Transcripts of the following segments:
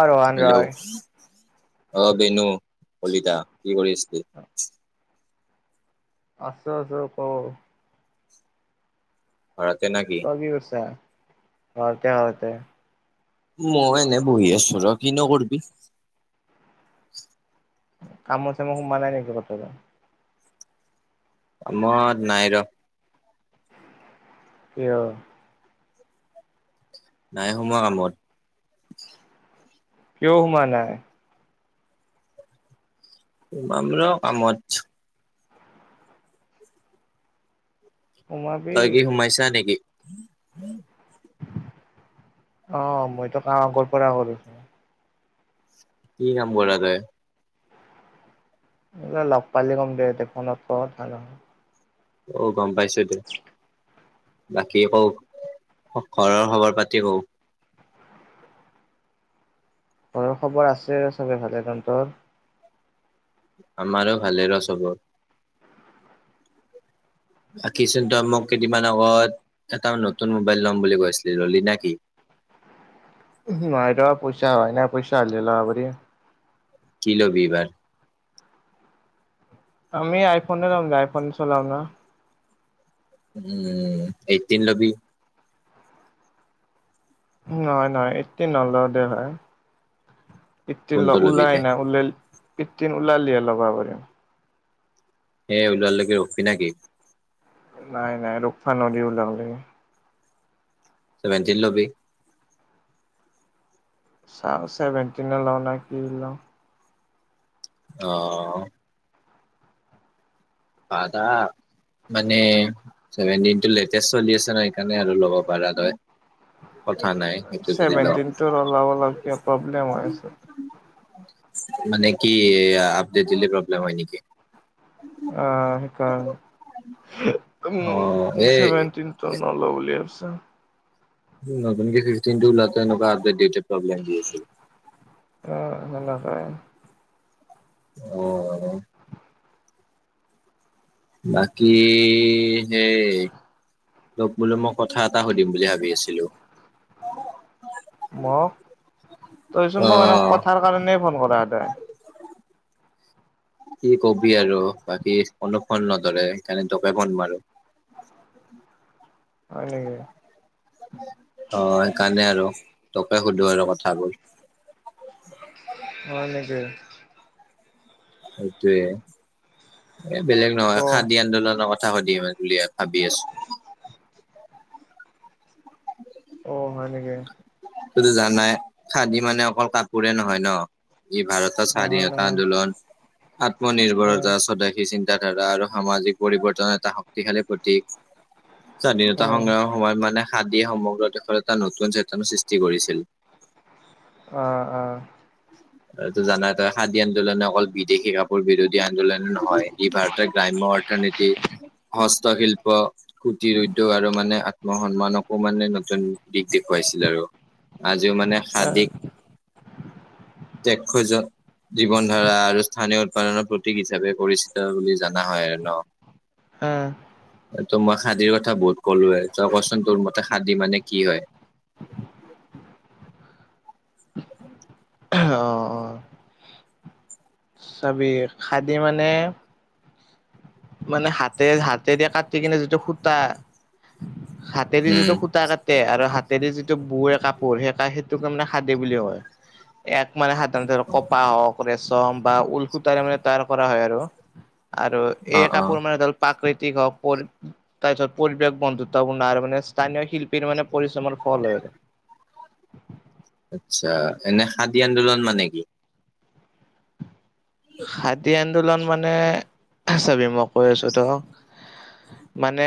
অ ৰহান হেল্ল' ৰয় অ বেনু কলিতা কি কৰি আছিলি? আছো আছোঁ ক, ঘৰতে না কি? অ কি কৰছা, ঘৰতে ঘৰতে, মই এনেই বহি আছোঁ ৰহ কিনো কৰবি। কামত চামত সোমোৱা নাই নেকি ক'তো এইবাৰ? কামত নাই ৰ, কিয়? নাই সোমোৱা কামত। কিয় সোমাৱা নাই? মামল কামত। সোমাবি তই কি সোমাইছা নেকি? অ মইতো কাম আগৰ পৰা কৰো। কি কাম কৰা যায়, এই লগ পালে ক'ম দে, এতিয়া ফোনত কোৱা কথা নহয়, অ গম পাইছোঁ দে, বাকী কওক, ঘ ঘৰৰ খবৰ পাতি কও? ঘৰৰ খবৰ আছে চবে ভালে, তনতৰ? আমাৰো ভালে ৰ চবৰ। আখিচোন তই মোক কেইদিনমান আগত এটা নতুন মোবাইল ল'ম বুলি কৈ আছিলি ৰলি না কি? নয় দে পইচা হোৱায়ে নাই পইচা হালিল বদে? কি লবি এইবাৰ? আমি আইফোনে ল'ম যে আইফোন চলাম ন। উম এইটিন লবি? নহ নহয় এইটিণ নল দে হয়। ইতিন কোনটো ল'বি ওলাই দে নাই ওলাই ইতিন ওলালিহে লগাব কৰিম। সে ওলালেকে ৰফি নে কি? নাই নাই ৰোকফা নদী ওলাও লাগে? ছেভেনটিন লবি? চাওঁ ছেভেনটিনে লওঁ ন কি লওঁ? অ। পাধা মানে ছেভেনটিণটো লেটেছ চলি আছে ন সেইকাৰণে আৰু ল'ব পাৰা তই? কথা নাই সেইটো যদি ল ছেভেনটিনটো অলপ অলপ কে প্ৰব্লেম হৈছে? মানে কি আপডেট দিলে প্ৰব্লেম হয় নিকি? আহ সেইকাৰণে, হু অ এ উম চেভেনটিন ত নল বুলি ভাবিছ? নতুনকে ছেভেনতিনটো ওলাওঁতে এনেকুৱা আপডেট দিওঁতে প্ৰব্লেম দি আছিল। এ সেনেকোৱাই। অ। বাকী সেই তপ বোলো মই কথা এটা সুধিম বুলি ভাবি আছিলো? মোক, তইচোন অ মোক এনেক কথাৰ কাৰণেই ফোন কৰা হে তই? কি কবি আৰু বাকী কোনো ফন নধৰে সেইকাৰণে তোকে ফন মাৰো। [inaudible] হয় নিকি? অ সেইকাৰণে আৰু তোকে সুধো আৰু কথাবোৰ? অ নেকি? সেইটোয়ে, এ বেলেগ নহয় অ খাদী আন্দোলনৰ কথা সুধিম বুলি ভাবি আছো? অ হয় নেকি? তুমিটো জানাই, খাদি মানে অকল কাপোৰে নহয় ন ই ভাৰত নহয় স্বাধীনতা নহয় আন্দোলন, আহ আত্মনিৰ্ভৰতা স্বদেশী চিন তা ধাৰা আৰু সামাজিক পৰিৱৰ্তন এটা শক্তিশালী প্ৰতীক। অ স্বাধীনতা সংগ্ৰামৰ সময়ত মানে সাদিয়ে সমগ্ৰ দেশত এটা নতুন চেতনা সৃষ্টি কৰিছিল। অ অ। আৰু তটো জানা তই খাদী আন্দোলনে অকল বিদেশী কাপোৰ বিৰোধী আন্দোলন নহয় ই ভাৰতত গ্ৰাম্য অৰ্থনীতি, হস্তশিল্প কুটিৰ উদ্যোগ আৰু মানে আত্ম সন্মানকো মানে নতুন দিশ দেখুৱাইছিল আৰু। আজিও মানে আহ খাদী তেক খুইজাও। [unintelligible] জীৱন ধাৰা আৰু স্থানীয় উৎপাদনৰ প্ৰতীক হিচাপে পৰিচিত বুলি জানা হয় আৰু ন? [inaudible] আহ ত' মই খাদীৰ কথা বহুত ক'লোয়ে, তই কচোন তোৰ মতে খাদী মানে কি হয়? অহ অ অ। চাবি খাদী মানে মানে হাতেৰে হাতেদি কাটি কিনে যিটো সূতা, হাতেদি উম, যিটো সুতা কাট তে আৰু হাতেৰে যিটো বৱে কাপোৰ, সেই সেইটোৰ কাৰনে খাদী বুলি ক'য়। এক মানে সাধাৰণতে কপাহ হওঁক চম বা ওলসুতাৰে মানে তৈয়াৰ কৰা হয় আৰু, আৰু এই অ', অ', কাপোৰ মানে ধৰ প্ৰাকৃতিক হওঁক, পৰ তাৰপিছত পৰিব্যক বন্ধুত্বপূৰ্ণ আৰু মানে স্থানীয় শিল্পীৰ মানে পৰিশ্ৰমৰ ফল হয় আৰু। আচ্চা। এনে খাদী আন্দোলন মানে কি? খাদী আন্দোলন মানে, চাবি মই কৈ আছোঁ ত'ক [unintelligible] মানে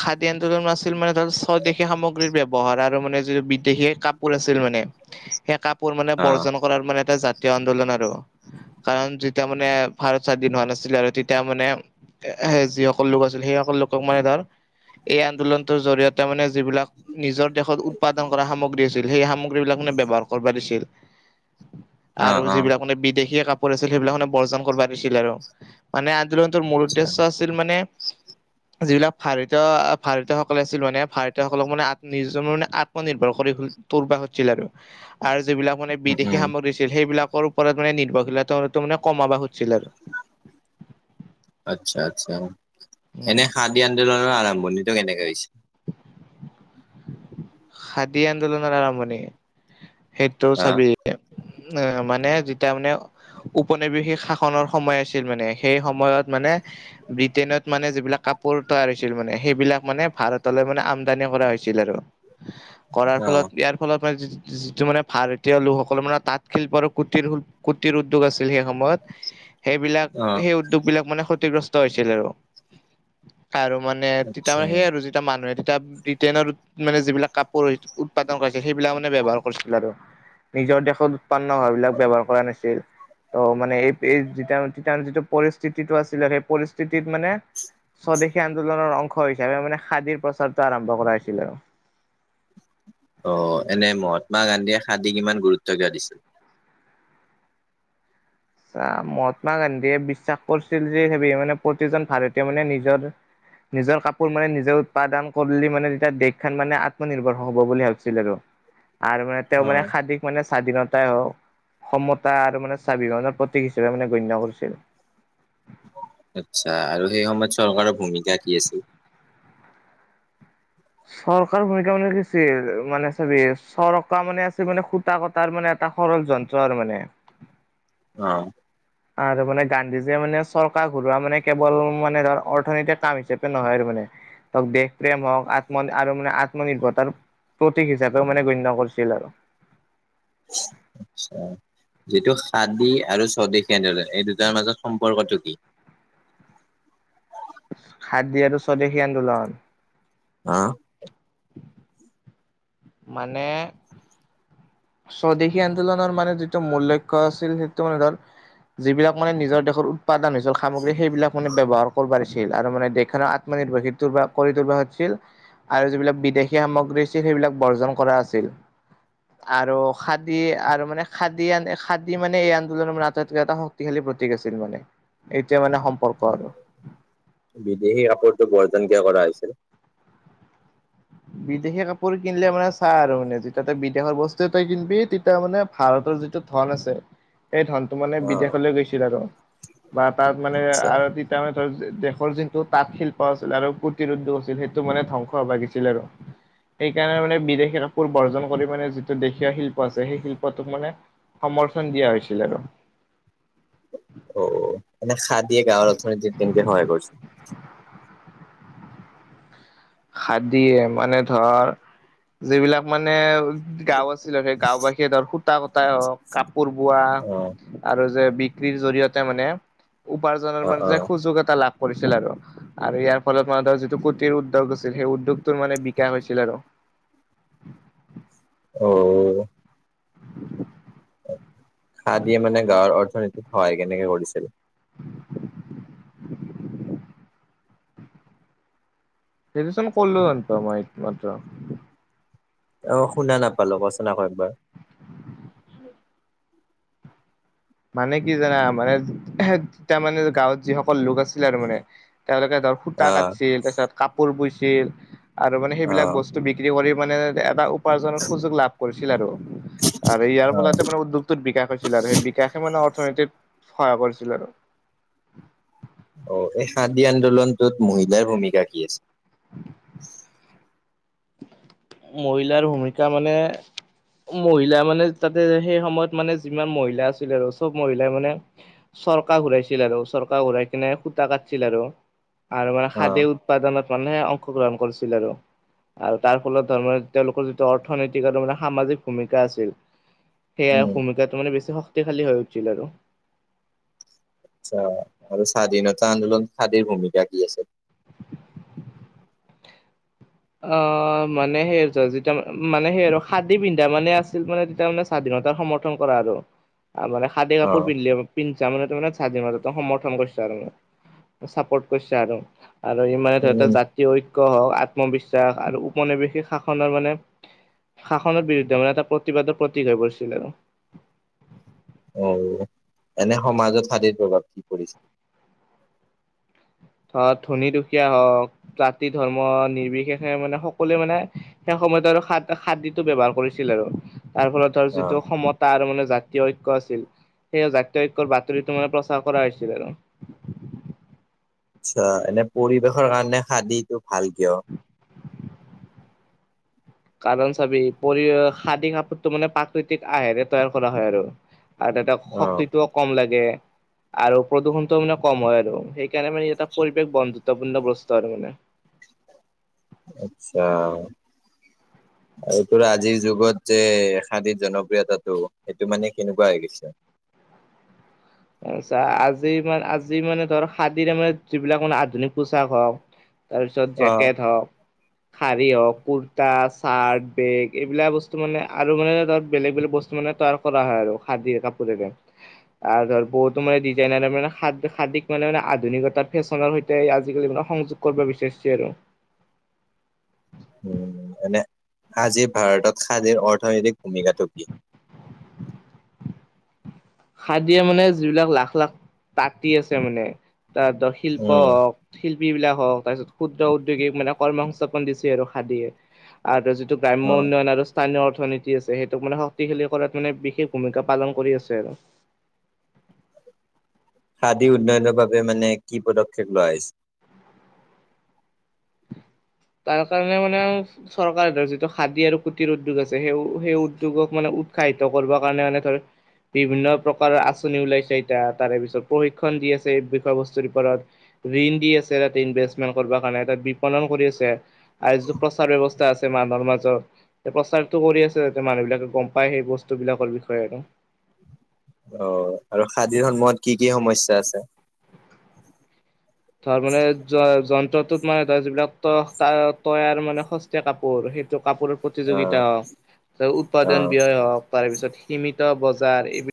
খাদী আন্দোলন আছিল মানে ধৰ স্বদেশী সামগ্ৰীৰ ব্যৱহাৰ আৰু মানে যিটো বিদেশী কাপ আছিল মানে, সেই কাপ মানে অ', বৰ্জন কৰাৰ মানে এটা জাতীয় আন্দোলন আৰু। কাৰণ তেতিয়া মানে ভাৰত স্বাধীন হোৱা নাছিলে আৰু তেতিয়া মানে এ যিসকল লোক আছিল সেই সকল লোকক মানে ধৰ এই আন্দোলনটোৰ জৰিয়তে মানে যিবিলাক নিজৰ দেশত উৎপাদন কৰা সামগ্ৰী আছিল সেই সামগ্ৰী বিলাকে মানে ব্যৱহাৰ কৰিব দিছিল। [inaudible] আৰু অ', যিবিলাক মানে বিদেশী কাপোৰ আছিল সেইবিলাক মানে বৰ্জন কৰিব দিছিল আৰু। মানে আন্দোলনটোৰ মূল আচ্ছা উদ্দেশ্য আছিল মানে যিবিলাক ভাৰতীয় ভাৰতীয়সকলে আছিল মানে ভাৰতীয়সকলক মানে আত নিজ মানে আত নিৰ্ভৰ কৰি তোৰবা খোজছিল আৰু। আৰু যিবিলাক মানে উম, বিদেশী উম, সামগ্ৰী আছিল সেইবিলাকৰ ওপৰত মানে নিৰ্ভৰশীলতো মানে কমাব খুজছিল আৰু। আচ্ছা-আচ্ছা। উম এনে খাদী আন্দোলনৰ আৰম্ভণিটো কেনেকে হৈছিল? খাদী আন্দোলনৰ আৰম্ভণি? সেইটোও হা চাবি উম, মানে যেতিয়া মানে উপনিবেশিক শাসনৰ সময় আছিল মানে, সেই সময়ত মানে ব্ৰিটেইনত মানে যিবিলাক কাপোৰ তৈয়াৰ হৈছিল মানে সেইবিলাক মানে ভাৰতলৈ মানে আমদানি কৰা হৈছিল আৰু। কৰাৰ ফলত অ', ইয়াৰ ফলত মানে যিটো মানে ভাৰতীয় লোকসকলৰ মানে তাঁত শিল্পৰ কুটিৰ-কুটিৰ উদ্যোগ আছিল সেই সময়ত, সেইবিলাক অ', সেই উ বিলাক মানে ক্ষতিগ্ৰস্ত হৈছিল আৰু। আৰু মানে তেতিয়া আচ্ছা। মানে সেই আৰু এটা মানুহে তেতিয়া ব্ৰিটেইনৰ মানে যিবিলাক কাপোৰ উৎপাদন কৰিছিল সেইবিলাক মানে ব্যৱহাৰ কৰিছিল আৰু। নিজৰ দেশত উৎপন্ন হোৱা বিলাক ব্যৱহাৰ কৰা নাছিল। ত মানে এই জিতিয়া মানে তেতিয়া মানে যিটো পৰিস্থিতিটো আছিল আৰু সেই পৰিস্থিতিটো মানে স্বদেশী আন্দোলনৰ অংশ হিচাপে মানে খাদীৰ প্ৰচাৰটো আৰম্ভ কৰা হৈছিল আৰু। অ', এনে মহাত্মা গান্ধীয়ে খাদিক ইমান গুৰুত্ব কিয় দিছিল? আ, মহাত্মা গান্ধীয়ে বিশ্বাস কৰিছিল যে সেই মানে প্ৰতিজন ভাৰতীয়ই মানে নিজৰ নিজৰ কাপোৰ মানে নিজৰ উৎপাদন কৰিলে মানে তেতিয়া দেশখন মানে আত্মনিৰ্ভৰ হ'ব বুলি ভাবিছিল আৰু। [inaudible] আৰু মানে তেওঁ মানে খাদীক মানে স্বাধীনতাই হওঁক সমতা আৰু মানে স্বাভিমানত প্ৰতীক হিচাপে মানে গণ্য কৰিছিল। আচ্ছা। আৰু সেই সময়ত চৰকাৰৰ ভূমিকা কি আছিল? চৰকাৰ ভূমিকা মানে কিছিল? মানে ছবি চৰকাৰ মানে আছিল মানে খু কটা কটাৰ মানে এটা সৰল যন্ত্ৰ আৰু মানে। অ আৰু মানে গান্ধীজীয়ে মানে চৰকাৰ ঘূৰোৱা মানে কেৱল মানে ধৰ অৰ্থনৈতিক কাম হিচাপে নহয় আৰু মানে দেশ প্ৰেম হওঁক, আত্ম আৰু মানে আত্মনিৰ্ভৰতাৰ প্ৰতীক হিচাপেও মানে গণ্য কৰিছিল আৰু। আট-ছা যিটো সাদী আৰু স্বদেশী আন্দোলন এই দুটাৰ মাজত সম্পৰ্কটো কি খাদী আৰু স্বদেশী আন্দোলন অ মানে স্বদেশী আন্দোলনৰ মানে যিটো মূল লক্ষ্য আছিল সেইটো মানে ধৰ যিবিলাক মানে নিজৰ দেশৰ উৎপাদন হৈছিল সামগ্ৰী সেইবিলাক মানে ব্যৱহাৰ কৰবা দিছিল ছিল আৰু মান দেশখনৰ আত্মনিৰ্ভৰশিলটো বা কৰি তুলবা খোজছিল আৰু যিবিলাক বিদেশী সামগ্ৰী আছিল সেইবিলাক বৰ্জন কৰা আছিল আৰু খাদী আৰু মানে খাদী আন খাদী মানে এই আন্দোলনৰ মানে আটাইতকৈ এটা শক শক্তিশালী প্ৰতীক আছিল মানে এইটোৱে মানে সম্পৰ্ক আৰু বিদেশী কাপোৰটো বৰ্জন কিয় কৰা হৈছিল বিদেশী কাপোৰ কিনলে মানে চাহ আৰু মানে যেতিয়া তই বিদেশৰ বস্তু তই কিনবি তেতিয়া মানে ভাৰতৰ যিটো ধন আছে সেই ধন ত মানে বিদেশলৈ গৈছিল আৰু বা তাত মানে আচ্ছা আৰু তিত তেওঁ ধৰ দেশৰ যোনটো তাঁত শিল্প আছিল আৰু প্ৰতিৰোধ আছিল সেইটো মানে ধ্বংস হ' বা গিছিল ছিল আৰু সেইকাৰণে মানে বিদেশী কাপোৰ বৰ্জন কৰি মানে যিটো দেশীয়া শিল্প আছে সেই শিল্পটোক মানে সমৰ্থন দিয়া হৈছিল আৰু অ এনে খাদিয়ে গাঁৱৰ অৰ্থনীতি তেনকে সহায় কৰছে খাদিয়ে মানে ধৰা যিবিলাক মানে গাও আছিল আৰু সেই গাওবাসীয়ে ধৰা সুতা কূতাই হওক কাপোৰ বোৱা অ আৰু যে বিক্ৰীৰ জৰিয়তে মানে উপাৰ্জনৰ অ মানে অ যে সুযোগ এটা লাভ কৰিছিল আৰু আৰু ইয়াৰ ফলত মান ধৰ যিটো কোটিৰ উদ্যোগ আছিল সেই উদ্যোগটো মানে বিকাশ হৈছিল আৰু অও খাদিয়ে মানে গাঁৱৰ অৰ্থনীতিত সহায় কেনেকে কৰিছিল গেজোয়েচন কৰলো [unintelligible] অ শুনা নাপালো ক চোন আক একবাৰ মানে কি জানা মানে তেতামানে গাঁৱত যিসকল লোক আছিল আৰু মানে তেওঁলোকে দক সুতা অ কাটছিল তাৰপিছত কাপোৰ বুইছিল আৰু মানে অ সেইবিলাক বস্তু বিক বিক্ৰি কৰি মানে এবা উপ উপাৰ্জনৰ সুযোগ লাভ কৰিছিল আৰু আৰু ইয়াৰ ফলতে মানে উদ্যোগটোৰ বিকাশ হৈছিল আৰু সেই বিক বিকাশে মানে অৰ্থনীতিত সহায় কৰিছিল আৰু অ এই খাদী আন্দোলনটোত মহিলাৰ ভূমিকা কি আছি মহিলাৰ ভূমিকা মানে মহিলা মানে তাতে সেই সময়ত মানে যিমান মহিলা আছিল আৰু চব মহিলাই মানে চৰকা ঘূৰাইছিল আৰু চৰকা ঘূৰাই কিনে সূতা কাট-ছিল আৰু আৰু মানে অ', খাদে উৎপাদনত মানেহে অংশগ্ৰহণ কৰিছিল আৰু আৰু তাৰ ফলত ধৰ তেওঁলোকৰ যিটো অৰ্থনৈতিক মানে সামাজিক ভূমিকা আছিল সেয়া উম, ভূমিকাটো মানে বেছি শক্তিশালী হৈ উঠিছিল আৰু আচ্ছা আৰু স্বাধীনতা আন্দোলন খাদীৰ ভূমিকা কি আছি অ মানে সেই যেতিয়া মানে সেই আৰু খাদী পিন্ধা মানে আছিল মানে তেতিয়া মানে স্বাধীনতাৰ সমৰ্থন কৰা আৰু মানে খাদে কাপোৰ অ', পিন্ধলে পিনছা মানে তুমি মানে স্বাধীনতা সমৰ্থন কৰছা আৰু মানে চাপৰ্ট কৰছা আৰু আৰু ই মানে উম, ধৰি ত উম, জাতিয় ঐক্য হওক আত্মবিশ্বাস আৰু উপনিৱেশিক শাসনৰ মানে শাসনৰ বিৰুদ্ধে মানে এটা প্ৰতিবাদৰ প্ৰতীক হৈ পৰিছিল আৰু অ ও অ এনে সমাজত খাদিৰ প্ৰভাৱ কি পৰিছে। ধৰা ধনী-দুখীয়া হওক জাতি-ধৰ্ম নিৰ্বিশেষে মানে সকলোৱে মানে ইহ্ সেই সময়ত আৰু খাদ খাদীটো ব্যৱহাৰ কৰিছিল আৰু তাৰ ফলত আৰু অ', যিটো সমত তাৰ মানে জাতীয় ঐক্য আছিল সেই জাতীয় ঐক্যৰ বাতৰিতো মানে প্ৰচাৰ কৰা হৈছিল আৰু আচ্ছা এনে পৰিৱেশৰ কাৰণে খাদীটো ভাল কিয় কাৰণ চাবি পৰি এ আ খাদি কাপোৰটো মানে প্ৰাকৃতিক আহেৰে তৈয়াৰ কৰা হয় আৰু আৰু তাত এটা অ', শক্তিটোও কম লাগে। আৰু প্ৰদূষণটো মানে কম হয় আৰু সেইকাৰণে মানে এটা পৰিৱেশ বন্ধুত্বপূৰ্ণ বস্তু আৰু মানে অ অ আচ্ছা। আৰু তোৰ আজিৰ যুগত যে এ খাদিত জনপ্ৰিয়তাটো সেইটো মানে কেনেকুৱা হৈ গৈছে। এ চা আজি মানে আজি মানে ধৰ খাদীৰে মানে যিবিলাক মানে আধুনিক পোচাক হওক তাৰপিছত অ', জেকেট হওক। শাৰী হওক, কুুৰ্তা, চাৰ্ট, বেগ এইবিলাক বস্তু মানে আৰু মানে ধৰ বেলেগ বেলেগ বস্তু মানে তাৰ কৰা হয় আৰু খাদি কাপোৰেৰে ইহ আৰু ধৰ বহুতো মানে ডিজাইনাৰে মানে খাদিক মানে মানে আধুনিকতাত ফেশ্বনৰ সৈতে আজিকালি মানে সংযুক্ত কৰিব বিচাৰিছে আৰু উম উ উ উ উ এনে আজি ভাৰতত সাজিৰ অৰ্থনৈতিক ভূমিকাটো কি? খাদিয়ে মানে যিবিলাক লাখ লাখ তাঁতি আছে মানে তাহঁতৰ শিল্প উম, হওক। শিল্পী বিলাক হওঁক তাৰপিছত ক্ষুদ্ৰ উদ্যোগিক মানে কৰ্ম-সংস্থাপন দিছে আৰু খাদিয়ে ইহ আৰু এটা যদি যিটো গ্ৰাম্য অ', উন্নয়ন আৰু স্থানীয় অৰ্থনীতি আছে সেইটোক মানে শক্তিশালী কৰাত মানে বিশেষ ভূমিকা পালন কৰি আছে আৰু খাদি উন্নয়নৰ বাবে মানে কি পদক্ষেপ লোৱা হৈছে। তাৰ কাৰণে মানে আৰু চৰকাৰে ধৰ যিটো খাদী আৰু কুটিৰ উদ্যোগ আছে সেই সেই উদ্যোগক মানে উৎসাহিত কৰিব কাৰণে মানে ধৰ বিভিন্ন প্ৰকাৰৰ আঁচনি ওলাইছে এতিয়া আৰ তাৰে পিছত প্ৰশিক্ষণ দি আছে বিষয়-বস্তুৰ ওপৰত। ঋণ দি আছে তাতে ইনভেষ্টমেন্ট কৰিবৰ কাৰণে তাত বিপণন কৰি আছে আৰু যিটো প্ৰচাৰ ব্যৱস্থা যা আছে মানুহৰ মাজত প্ৰচাৰতটো কৰি আছে মানুহ বিলাকে গম পাই সেই বস্তু বিলাকৰ বিষয়ে আৰু অ অ অ আৰু খাদিৰ সন্ময়ত কি কি সমস্যা আছে। ধৰ মানে য যন্ত্ৰটোত মানে ধৰ যিবিলাক ত ত তৈয়াৰ মানে সস্তীয়া কাপোৰ সেইটো কাপোৰ অ', প্ৰতিযোগিতা হওক উৎপাদন ব্যয় হওক তাৰপিছত সীমিত বজাৰ এইবিলাক